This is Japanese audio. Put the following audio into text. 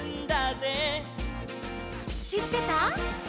「しってた？」